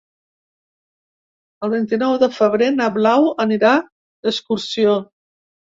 El vint-i-nou de febrer na Blau anirà d'excursió.